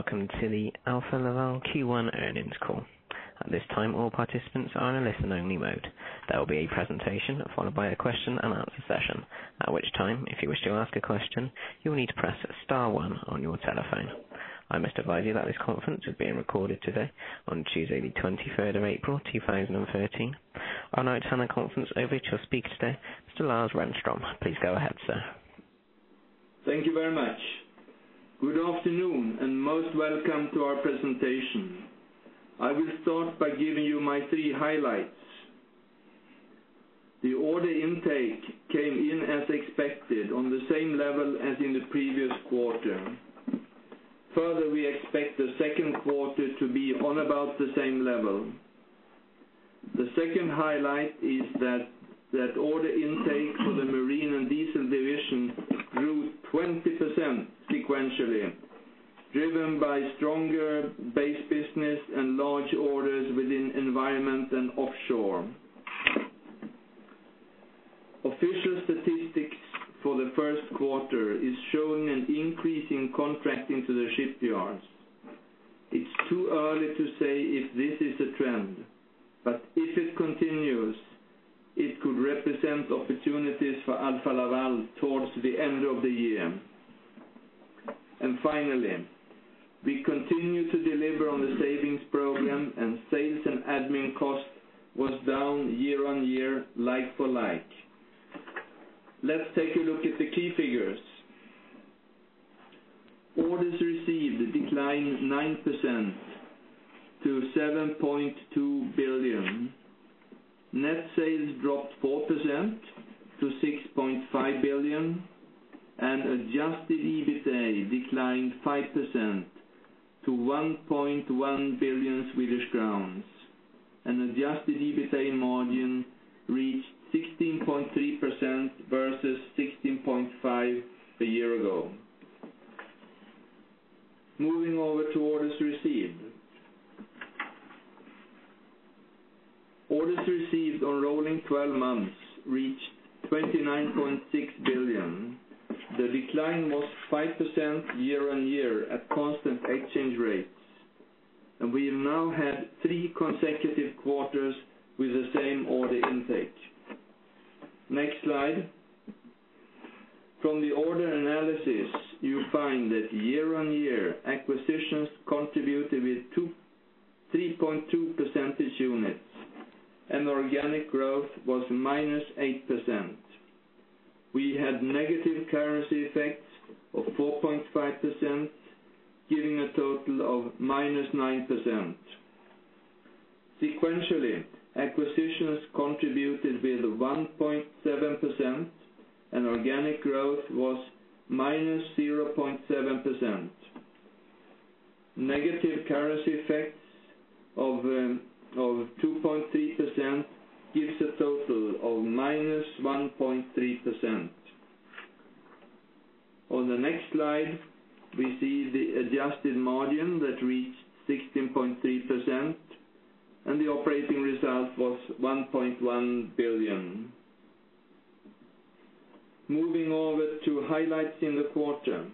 Welcome to the Alfa Laval Q1 earnings call. At this time, all participants are in a listen-only mode. There will be a presentation followed by a question-and-answer session. At which time, if you wish to ask a question, you will need to press star one on your telephone. I must advise you that this conference is being recorded today on Tuesday the 23rd of April, 2013. I will now turn the conference over to your speaker today, Mr. Lars Renström. Please go ahead, sir. Thank you very much. Good afternoon. Most welcome to our presentation. I will start by giving you my three highlights. The order intake came in as expected, on the same level as in the previous quarter. Further, we expect the second quarter to be on about the same level. The second highlight is that order intake for the Marine & Diesel division grew 20% sequentially, driven by stronger base business and large orders within environment and offshore. Official statistics for the first quarter is showing an increase in contracting to the shipyards. It is too early to say if this is a trend, but if it continues, it could represent opportunities for Alfa Laval towards the end of the year. Finally, we continue to deliver on the savings program and sales and admin cost was down year-on-year, like-for-like. Let's take a look at the key figures. Orders received declined 9% to 7.2 billion. Net sales dropped 4% to 6.5 billion, and adjusted EBITA declined 5% to 1.1 billion Swedish crowns, and adjusted EBITA margin reached 16.3% versus 16.5% a year ago. Moving over to orders received. Orders received on rolling 12 months reached 29.6 billion. The decline was 5% year-on-year at constant exchange rates, and we have now had three consecutive quarters with the same order intake. Next slide. From the order analysis, you find that year-on-year, acquisitions contributed with 3.2 percentage units, and organic growth was minus 8%. We had negative currency effects of 4.5%, giving a total of minus 9%. Sequentially, acquisitions contributed with 1.7%, and organic growth was minus 0.7%. Negative currency effects of 2.3% gives a total of minus 1.3%. On the next slide, we see the adjusted margin that reached 16.3%, and the operating result was 1.1 billion. Moving over to highlights in the quarter.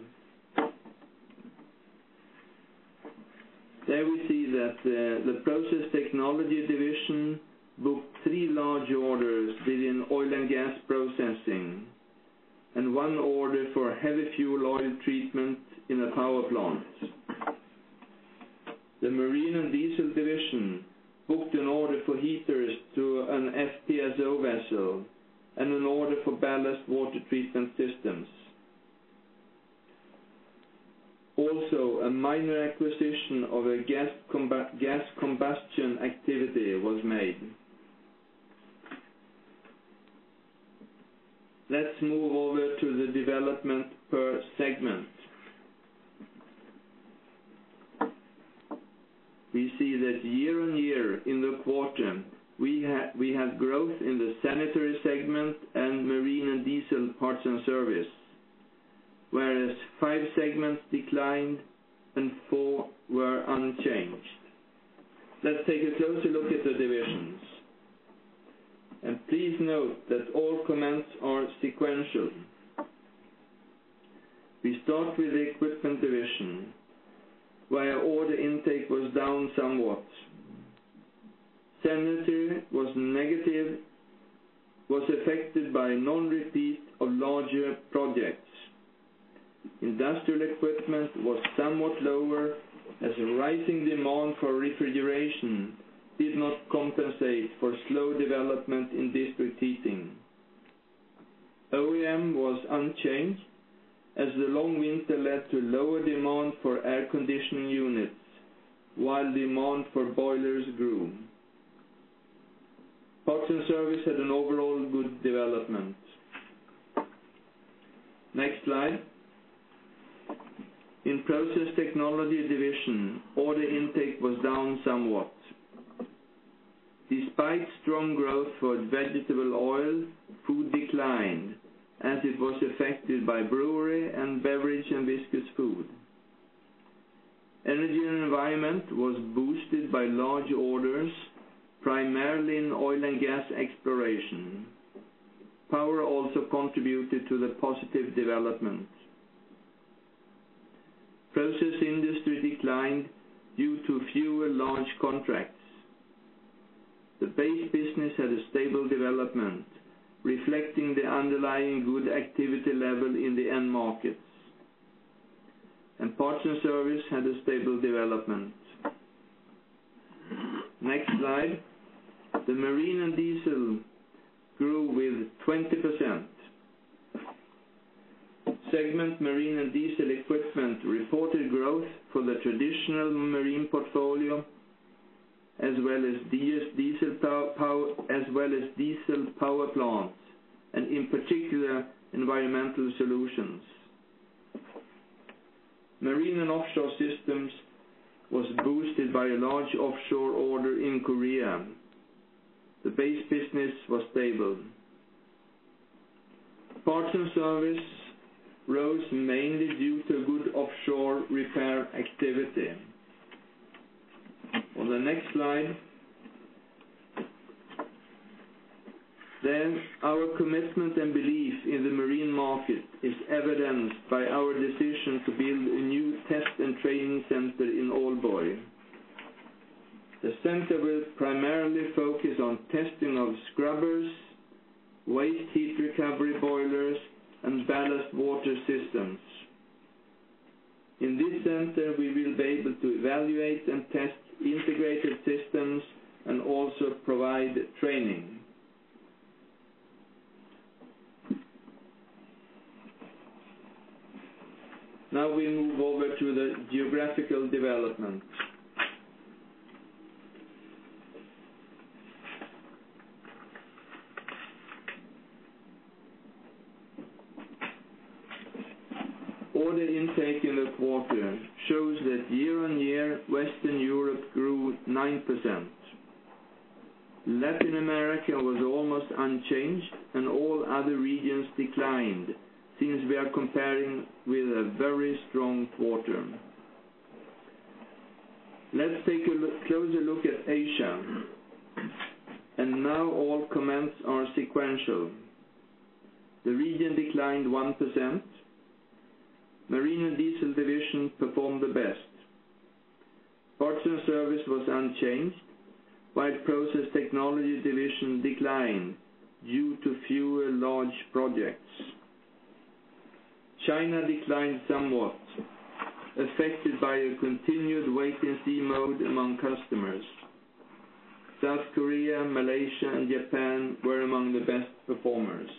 There we see that the Process Technology division booked three large orders within oil and gas processing, and one order for heavy fuel oil treatment in a power plant. The Marine & Diesel division booked an order for heaters to an FPSO vessel and an order for ballast water treatment systems. A minor acquisition of a gas combustion activity was made. Let's move over to the development per segment. We see that year-on-year in the quarter, we have growth in the Sanitary segment and Marine & Diesel Parts and Service, whereas five segments declined and four were unchanged. Let's take a closer look at the divisions. Please note that all comments are sequential. We start with the Equipment division, where order intake was down somewhat. Sanitary was affected by non-repeat of larger projects. Industrial Equipment was somewhat lower as rising demand for refrigeration did not compensate for slow development in district heating. OEM was unchanged as the long winter led to lower demand for air conditioning units, while demand for boilers grew. Parts and Service had an overall good development. In Process Technology division, order intake was down somewhat. Despite strong growth for vegetable oil, Food declined as it was affected by brewery and beverage and viscous food. Energy and Environment was boosted by large orders, primarily in oil and gas exploration. Also contributed to the positive development. Process industry declined due to fewer large contracts. The base business had a stable development, reflecting the underlying good activity level in the end markets, and Parts and Service had a stable development. The Marine & Diesel grew with 20%. Segment Marine & Diesel Equipment reported growth for the traditional marine portfolio, as well as diesel power plants, and in particular, environmental solutions. Marine and offshore systems was boosted by a large offshore order in Korea. The base business was stable. Parts and Service rose mainly due to good offshore repair activity. Our commitment and belief in the marine market is evidenced by our decision to build a new test and training center in Aalborg. The center will primarily focus on testing of scrubbers, waste heat recovery boilers, and ballast water systems. In this center, we will be able to evaluate and test integrated systems and also provide training. We move over to the geographical development. Order intake in the quarter shows that year-on-year, Western Europe grew 9%. Latin America was almost unchanged, all other regions declined, since we are comparing with a very strong quarter. Let's take a closer look at Asia. All comments are sequential. The region declined 1%. Marine & Diesel division performed the best. Parts and Service was unchanged, while Process Technology division declined due to fewer large projects. China declined somewhat, affected by a continued wait-and-see mode among customers. South Korea, Malaysia, and Japan were among the best performers.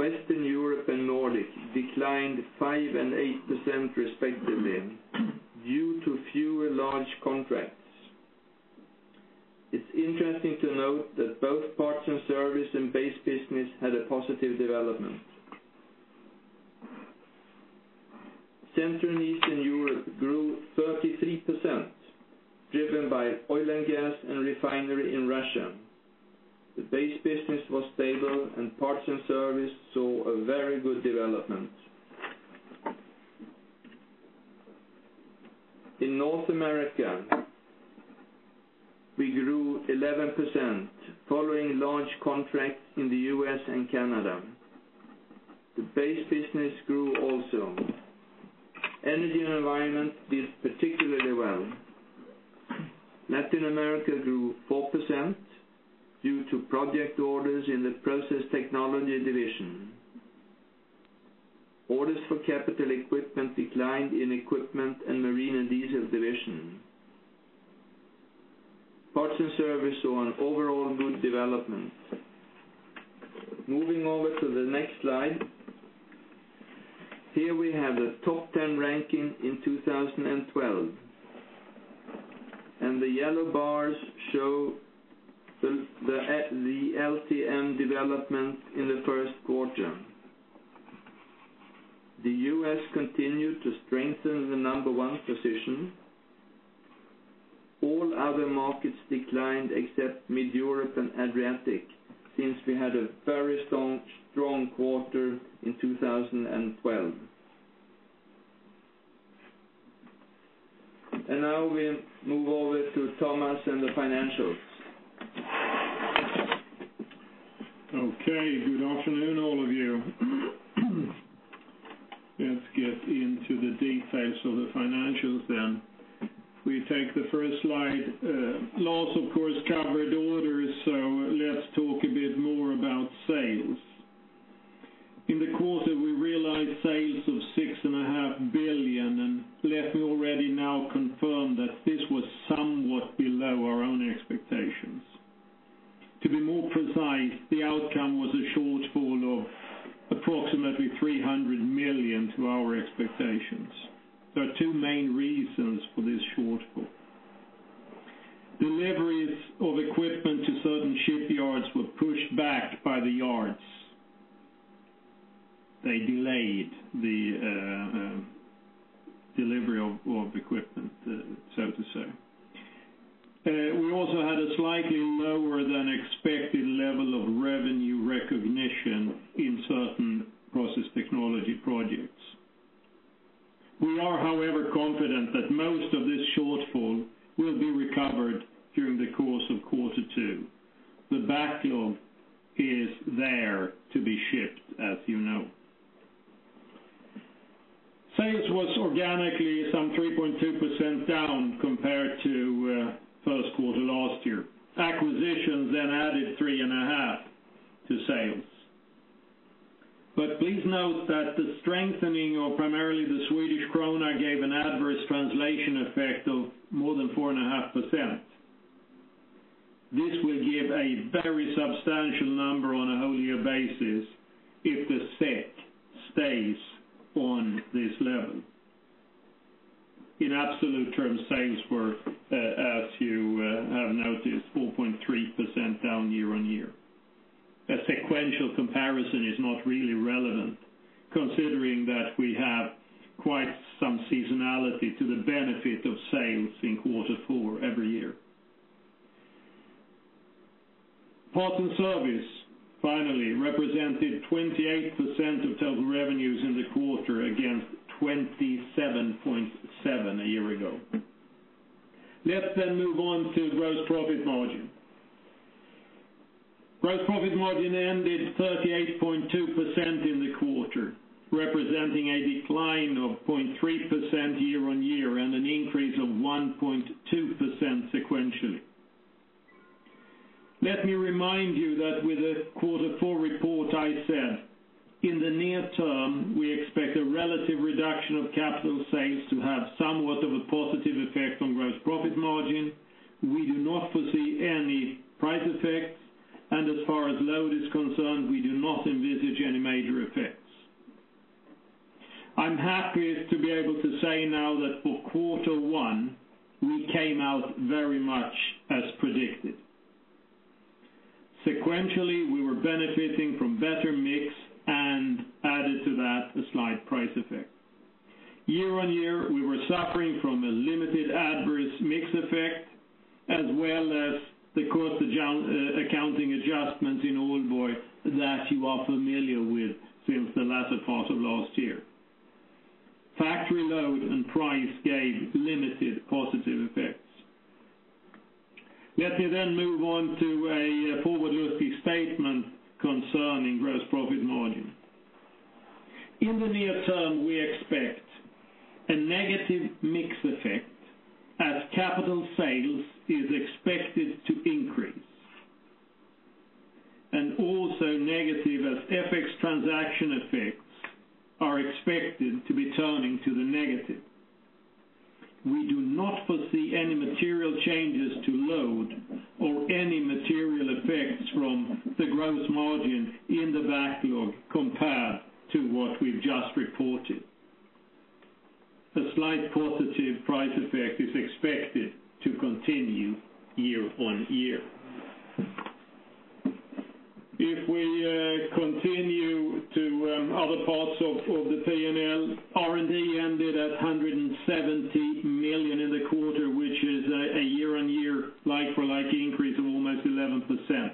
Western Europe and Nordic declined 5% and 8% respectively, due to fewer large contracts. It's interesting to note that both Parts and Service and base business had a positive development. Central and Eastern Europe grew 33%, driven by oil and gas and refinery in Russia. The base business was stable, and Parts and Service saw a very good development. In North America, we grew 11%, following large contracts in the U.S. and Canada. The base business grew also. Energy and Environment did particularly well. Latin America grew 4% due to project orders in the Process Technology division. Orders for capital equipment declined in Equipment and Marine & Diesel division. Parts and Service saw an overall good development. Here we have a top 10 ranking in 2012, the yellow bars show the LTM development in the first quarter. The U.S. continued to strengthen the number 1 position. All other markets declined except Mid Europe and Adriatic, since we had a very strong quarter in 2012. We move over to Thomas and the financials. Good afternoon, all of you. Let's get into the details of the financials. We take the first slide. Lars, of course, covered orders. Let's talk a bit more about sales. In the quarter, we realized sales of 6.5 billion. Let me already now confirm that this was for this shortfall. Deliveries of equipment to certain shipyards were pushed back by the yards. They delayed the delivery of equipment, so to say. We also had a slightly lower than expected level of revenue recognition in certain Process Technology projects. We are, however, confident that most of this shortfall will be recovered during the course of quarter two. The backlog is there to be shipped, as you know. Sales was organically some 3.2% down compared to first quarter last year. Acquisitions added 3.5% to sales. Please note that the strengthening of primarily the Swedish krona gave an adverse translation effect of more than 4.5%. This will give a very substantial number on a whole year basis if the set stays on this level. In absolute terms, sales were, as you have noticed, 4.3% down year-on-year. A sequential comparison is not really relevant, considering that we have quite some seasonality to the benefit of sales in quarter four every year. Parts and service, finally, represented 28% of total revenues in the quarter against 27.7% a year ago. Let's move on to gross profit margin. Gross profit margin ended 38.2% in the quarter, representing a decline of 0.3% year-on-year. An increase of 1.2% sequentially. Let me remind you that with the quarter four report, I said, in the near term, we expect a relative reduction of capital sales to have somewhat of a positive effect on gross profit margin. We do not foresee any price effects. As far as load is concerned, we do not envisage any major effects. I'm happy to be able to say now that for quarter one, we came out very much as predicted. Sequentially, we were benefiting from better mix. Added to that, a slight price effect. Year-on-year, we were suffering from a limited adverse mix effect, as well as the cost accounting adjustments in Aalborg that you are familiar with since the latter part of last year. Factory load and price gave limited positive effects. Let me move on to a forward-looking statement concerning gross profit margin. In the near term, we expect a negative mix effect as capital sales is expected to increase. Also negative as FX transaction effects are expected to be turning to the negative. We do not foresee any material changes to load or any material effects from the gross margin in the backlog compared to what we've just reported. A slight positive price effect is expected to continue year-on-year. If we continue to other parts of the P&L, R&D ended at 170 million in the quarter, which is a year-on-year like-for-like increase of almost 11%.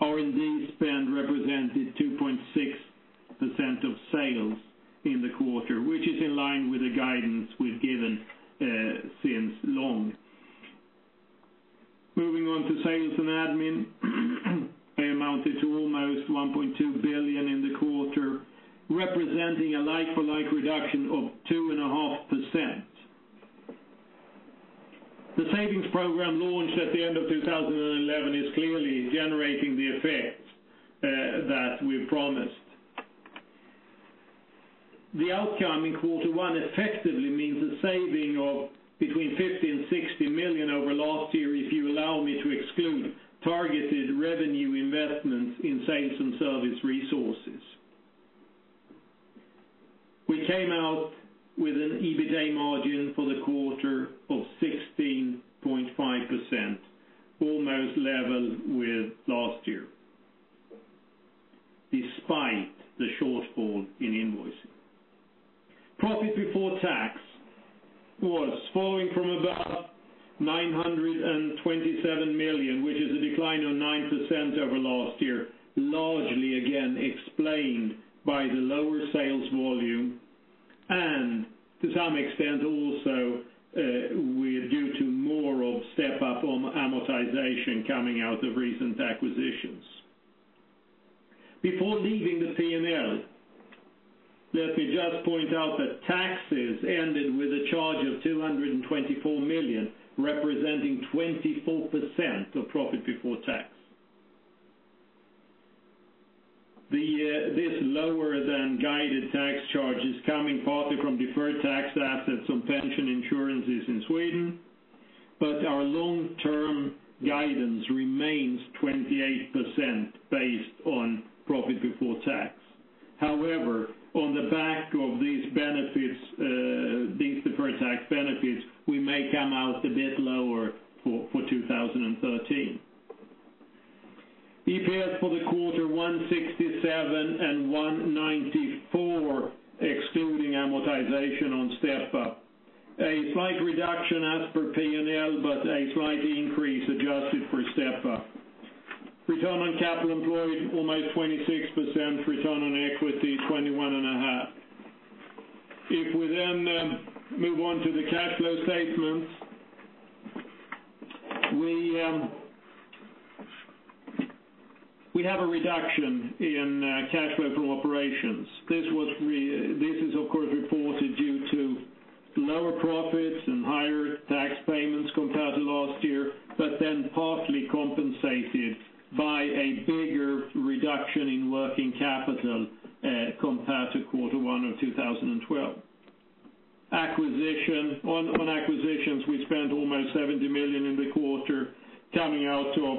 R&D spend represented 2.6% of sales in the quarter, which is in line with the guidance we've given since long. Moving on to sales and admin, they amounted to almost 1.2 billion in the quarter, representing a like-for-like reduction of 2.5%. The savings program launched at the end of 2011 is clearly generating the effects that we've promised. The outcome in quarter one effectively means a saving of between 50 million and 60 million over last year, if you allow me to exclude targeted revenue investments in sales and service resources. We came out with an EBITA margin for the quarter of 16.3%, almost level with last year, despite the shortfall in invoicing. Profit before tax was falling from about 927 million, which is a decline of 9% over last year, largely again explained by the lower sales volume, and to some extent also due to more of step-up on amortization coming out of recent acquisitions. Before leaving the P&L, let me just point out that taxes ended with a charge of 224 million, representing 24% of profit before tax. This lower than guided tax charge is coming partly from deferred tax assets on pension insurances in Sweden, but our long-term guidance remains 28% based on profit before tax. However, on the back of these deferred tax benefits, we may come out a bit lower for 2013. EPS for the quarter, 167 and 194, excluding amortization on step-up. A slight reduction as per P&L Adjusted for step-up. Return on capital employed, almost 26%. Return on equity, 21.5%. If we then move on to the cash flow statements, we have a reduction in cash flow from operations. This is of course, reported due to lower profits and higher tax payments compared to last year, but then partly compensated by a bigger reduction in working capital, compared to Q1 of 2012. On acquisitions, we spent almost 70 million in the quarter, coming out of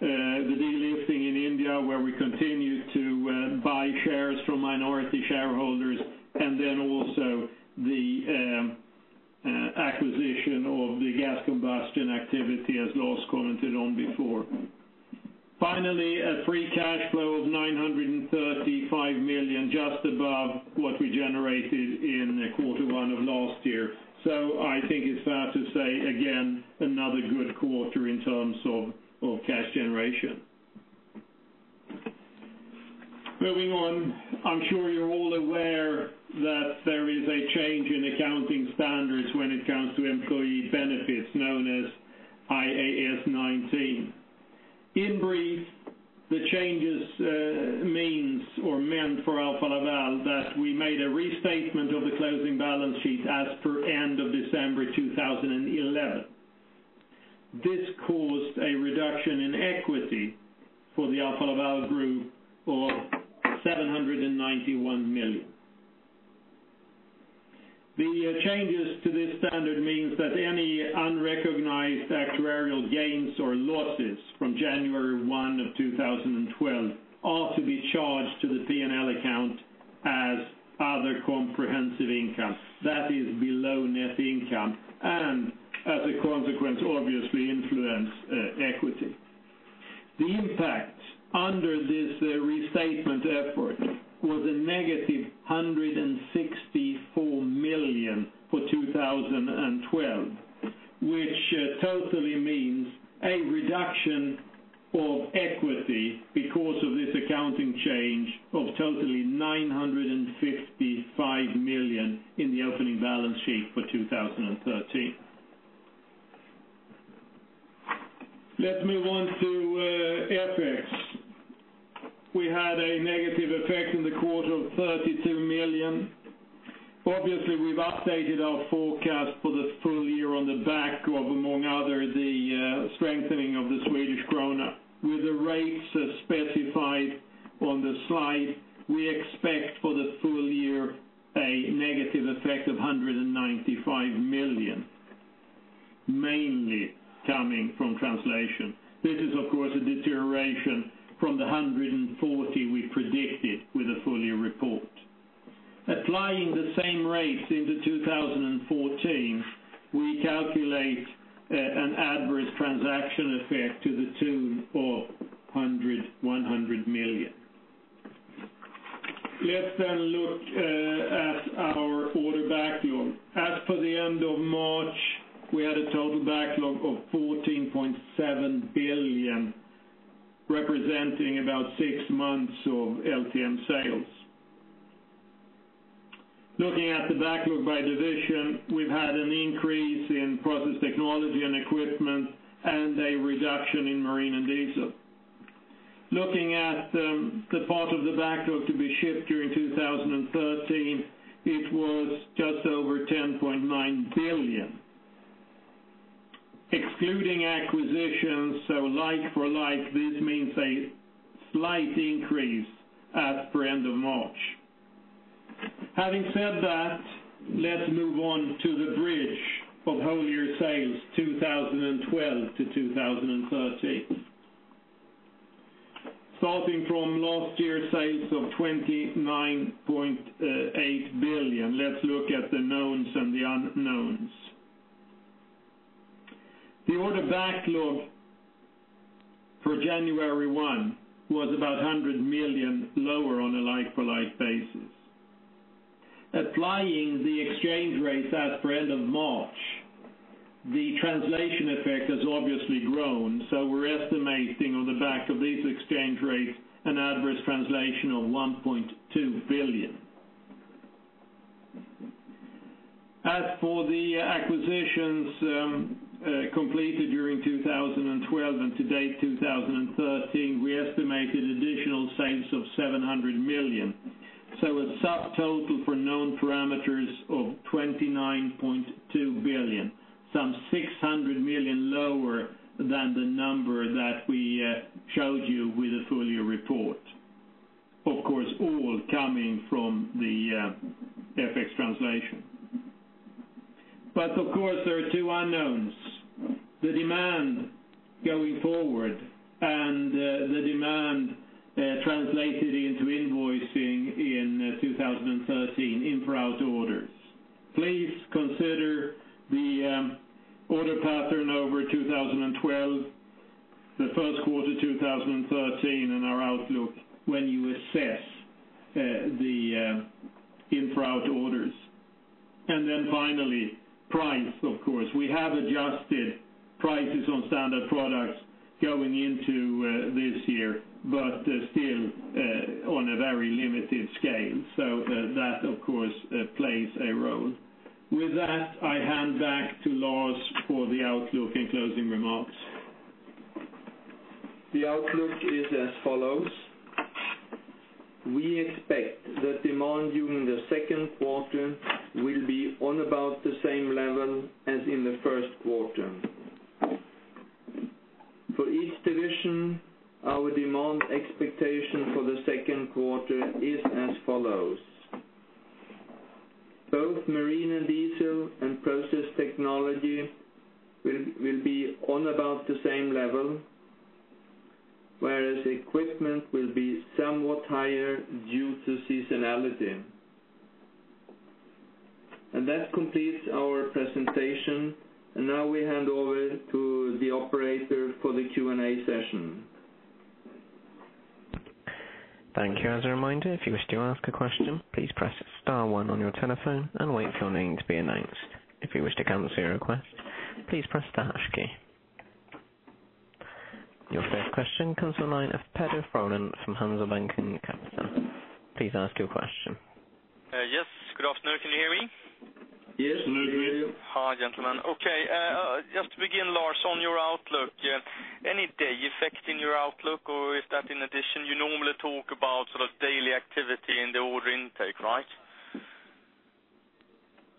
the delisting in India, where we continued to buy shares from minority shareholders, and then also the acquisition of the gas combustion activity, as Lars commented on before. Finally, a free cash flow of 935 million, just above what we generated in Q1 of last year. I think it's fair to say, again, another good quarter in terms of cash generation. Moving on. I'm sure you're all aware that there is a change in accounting standards when it comes to employee benefits, known as IAS 19. In brief, the changes meant for Alfa Laval that we made a restatement of the closing balance sheet as per end of December 2011. This caused a reduction in equity for the Alfa Laval Group of 791 million. The changes to this standard means that any unrecognized actuarial gains or losses from January 1 of 2012 are to be charged to the P&L account as other comprehensive income, that is below net income, and as a consequence, obviously influence equity. The impact under this restatement effort was a negative 164 million for 2012, which totally means a reduction of equity, because of this accounting change, of totally 955 million in the opening balance sheet for 2013. Let's move on to FX. We had a negative effect in the quarter of 32 million. Obviously, we've updated our forecast for the full year on the back of, among other, the strengthening of the Swedish krona. With the rates as specified on the slide, we expect for the full year, a negative effect of 195 million, mainly coming from translation. This is, of course, a deterioration from the 140 we predicted with the full year report. Applying the same rates into 2014, we calculate an adverse transaction effect to the tune of 100 million. Let's look at our order backlog. As for the end of March, we had a total backlog of 14.7 billion, representing about six months of LTM sales. Looking at the backlog by division, we've had an increase in Process Technology and Equipment and a reduction in Marine & Diesel. Looking at the part of the backlog to be shipped during 2013, it was just over 10.9 billion. Excluding acquisitions, so like for like, this means a slight increase as for end of March. Having said that, let's move on to the bridge of whole year sales 2012 to 2013. Starting from last year's sales of 29.8 billion, let's look at the knowns and the unknowns. The order backlog for January 1 was about 100 million lower on a like-for-like basis. Applying the exchange rates as for end of March, the translation effect has obviously grown, we're estimating on the back of these exchange rates, an adverse translation of 1.2 billion. As for the acquisitions completed during 2012 and to date 2013, we estimated additional sales of 700 million. A subtotal for known parameters of 29.2 billion, some 600 million lower than the number that we showed you with the full year report. Of course, all coming from the FX translation. Of course, there are two unknowns, the demand going forward and the demand translated into invoicing in 2013 in-for-out orders. Please consider the order pattern over 2012, the first quarter 2013, and our outlook when you assess the in-for-out orders. Finally, price, of course. We have adjusted prices on standard products going into this year, but still on a very limited scale. That, of course, plays a role. With that, I hand back to Lars for the outlook and closing remarks. The outlook is as follows. We expect that demand during the second quarter will be on about the same level as in the first quarter. For each division, our demand expectation for the second quarter is as follows. Both Marine & Diesel and Process Technology will be on about the same level, whereas Equipment will be somewhat higher due to seasonality. That completes our presentation, now we hand over to the operator for the Q&A session. Thank you. As a reminder, if you wish to ask a question, please press star one on your telephone and wait for your name to be announced. If you wish to cancel your request, please press the hash key. Your first question comes to the line of [Peder Froment] from Handelsbanken in Copenhagen. Please ask your question. Yes, good afternoon. Can you hear me? Yes, we hear you. Hi, gentlemen. Okay, just to begin, Lars, on your outlook. Any day affecting your outlook or is that in addition? You normally talk about daily activity in the order intake, right?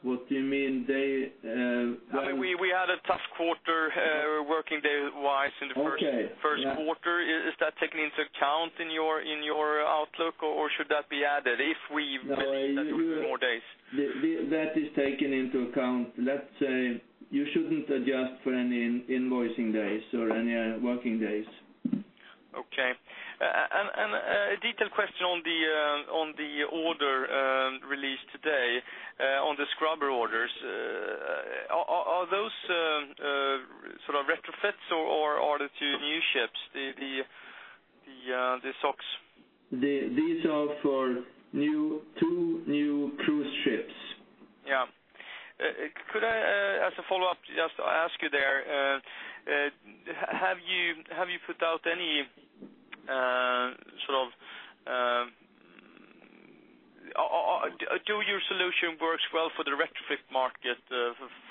What do you mean day- We had a tough quarter working day-wise in the- Okay first quarter. Is that taken into account in your outlook, or should that be added if we mentioned that it was more days? That is taken into account. Let's say you shouldn't adjust for any invoicing days or any working days. Okay. A detailed question on the order released today, on the scrubber orders. Are those retrofits or are the two new ships, the SOx? These are for two new cruise ships. Yeah. Could I, as a follow-up, just ask you there, do your solution works well for the retrofit market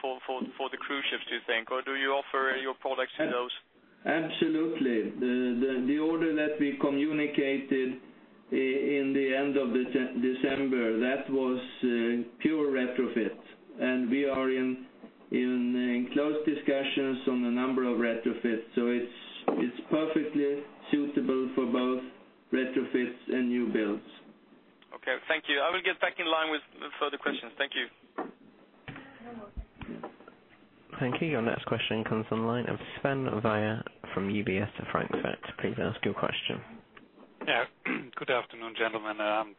for the cruise ships, do you think, or do you offer your products to those? Absolutely. The order that we communicated in the end of December, that was pure retrofit. We are in close discussions on a number of retrofits. It's perfectly suitable for both retrofits and new builds. Okay. Thank you. I will get back in line with further questions. Thank you. Thank you. Your next question comes on the line of Sven Weier from UBS in Frankfurt. Please ask your question. Good afternoon, gentlemen.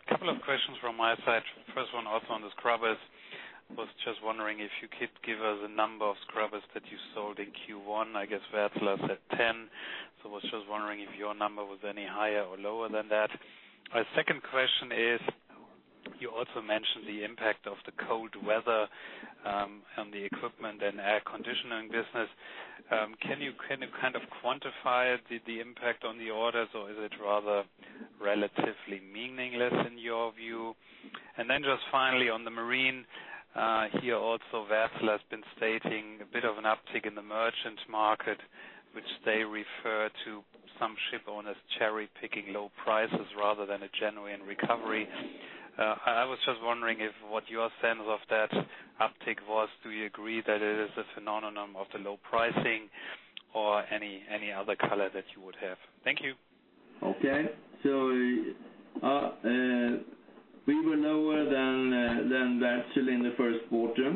Couple of questions from my side. First one also on the scrubbers. Was just wondering if you could give us a number of scrubbers that you sold in Q1? I guess Wärtsilä said 10, was just wondering if your number was any higher or lower than that? My second question is, you also mentioned the impact of the cold weather on the Equipment and air conditioning business. Can you quantify the impact on the orders, or is it rather relatively meaningless in your view? Then just finally on the marine, here also Wärtsilä has been stating a bit of an uptick in the merchant market, which they refer to some ship owners cherry-picking low prices rather than a genuine recovery. I was just wondering if what your sense of that uptick was? Do you agree that it is a phenomenon of the low pricing or any other color that you would have? Thank you. Okay. We were lower than Wärtsilä in the first quarter.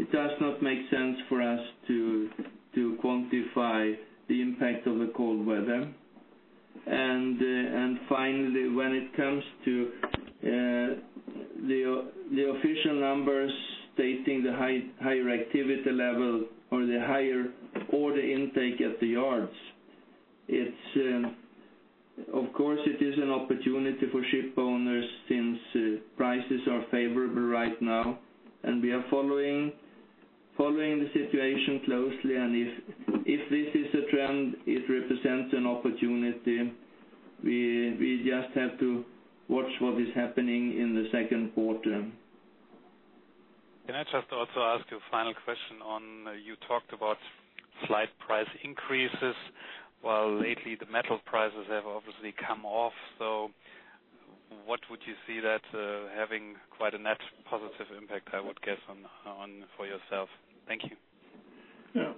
It does not make sense for us to quantify the impact of the cold weather. Finally, when it comes to the official numbers stating the higher activity level or the higher order intake at the yards, of course, it is an opportunity for ship owners since prices are favorable right now and we are following the situation closely, and if this is a trend, it represents an opportunity. We just have to watch what is happening in the second quarter. Can I just also ask you a final question. You talked about slight price increases, while lately the metal prices have obviously come off. What would you see that having quite a net positive impact, I would guess, for yourself. Thank you.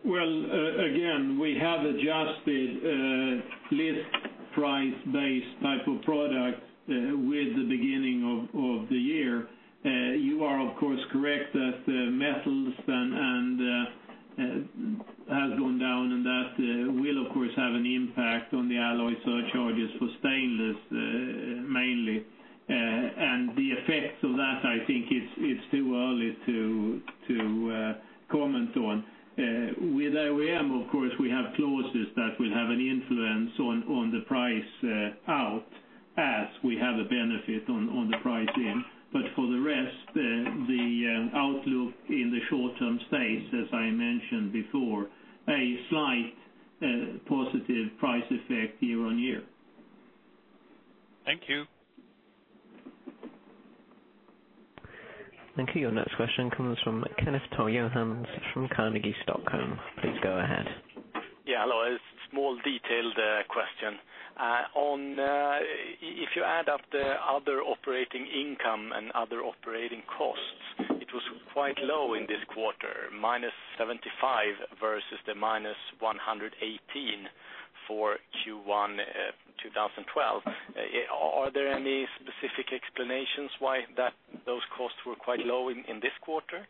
Well, again, we have adjusted list price base type of product with the beginning of the year. You are, of course, correct that metals has gone down, and that will, of course, have an impact on the alloy surcharges for stainless, mainly. The effects of that, I think it's too early to comment on. With OEM, of course, we have clauses that will have an influence on the price out. We have a benefit on the price end, but for the rest, the outlook in the short term stays, as I mentioned before, a slight positive price effect year-on-year. Thank you. Thank you. Your next question comes from Kenneth Toll Johansson from Carnegie Stockholm. Please go ahead. Yeah, hello. A small detailed question. If you add up the other operating income and other operating costs, it was quite low in this quarter, minus SEK 75 versus the minus SEK 118 for Q1 2012. Are there any specific explanations why those costs were quite low in this quarter?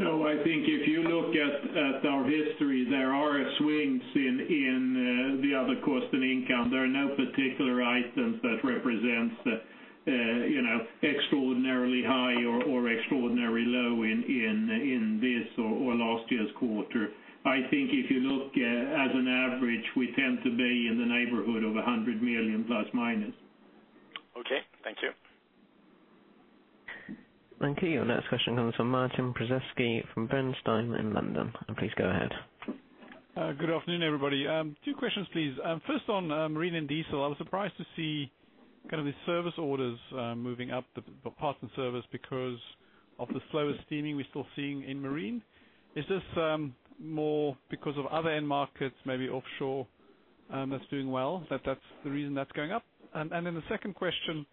I think if you look at our history, there are swings in the other cost and income. There are no particular items that represents extraordinarily high or extraordinarily low in this or last year's quarter. I think if you look as an average, we tend to be in the neighborhood of 100 million plus or minus. Okay, thank you. Thank you. Your next question comes from Martin Atkin from Bernstein in London. Please go ahead. Good afternoon, everybody. Two questions, please. First on Marine & Diesel, I was surprised to see the service orders moving up, the Parts and Service, because of the slower steaming we're still seeing in marine. Is this more because of other end markets, maybe offshore that's doing well, that's the reason that's going up? The second question,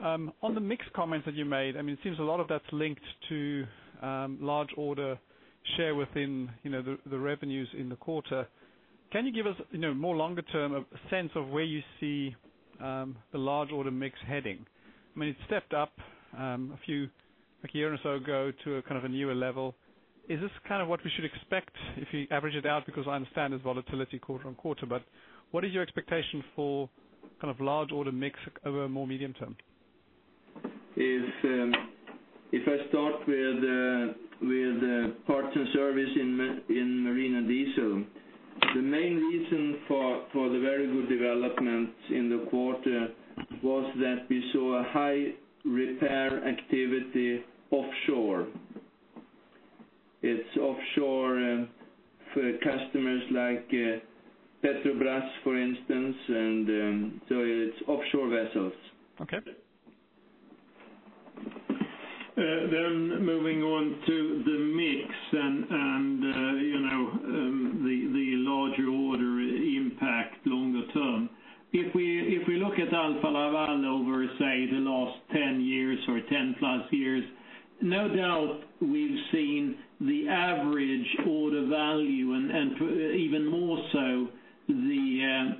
on the mixed comments that you made, it seems a lot of that's linked to large order share within the revenues in the quarter. Can you give us more longer-term sense of where you see the large order mix heading? It stepped up a year or so ago to a newer level. Is this what we should expect if you average it out? Because I understand there's volatility quarter-on-quarter, but what is your expectation for large order mix over more medium-term? If I start with Parts and Service in Marine & Diesel, the main reason for the very good development in the quarter was that we saw a high repair activity offshore. It's offshore for customers like Petrobras, for instance, it's offshore vessels. Okay. Moving on to the mix and the larger order impact longer term. If we look at Alfa Laval over, say, the last 10 years or 10+ years, no doubt we've seen the average order value, and even more so, the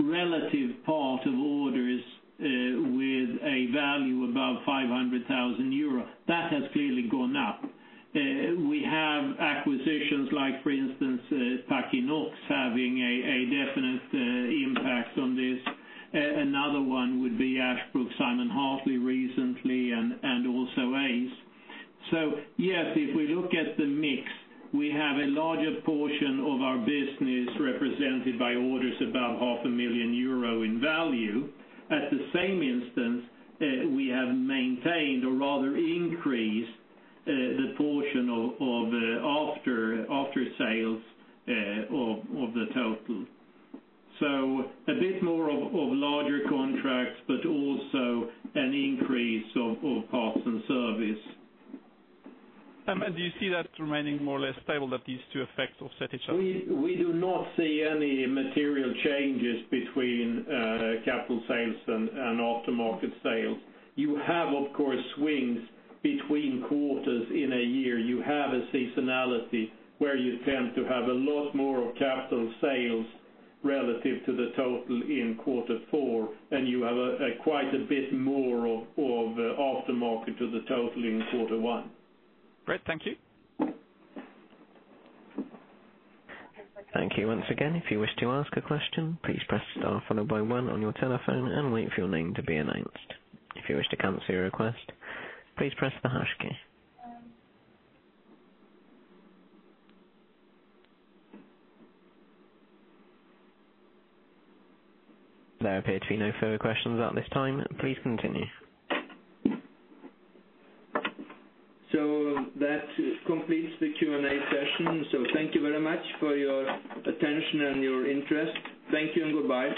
relative part of orders with a value above 500,000 euro. That has clearly gone up. We have acquisitions like, for instance, Packinox having a definite impact on this. Another one would be Ashbrook Simon-Hartley recently, and also ACE. Yes, if we look at the mix, we have a larger portion of our business represented by orders above half a million euro in value. At the same instance, we have maintained or rather increased the portion of after sales of the total. A bit more of larger contracts, but also an increase of Parts and Service. Do you see that remaining more or less stable, that these two effects offset each other? We do not see any material changes between capital sales and aftermarket sales. You have, of course, swings between quarters in a year. You have a seasonality where you tend to have a lot more of capital sales relative to the total in quarter four, and you have quite a bit more of aftermarket to the total in quarter one. Great. Thank you. Thank you once again. If you wish to ask a question, please press star followed by one on your telephone and wait for your name to be announced. If you wish to cancel your request, please press the hash key. There appear to be no further questions at this time. Please continue. That completes the Q&A session. Thank you very much for your attention and your interest. Thank you and goodbye.